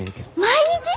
毎日！？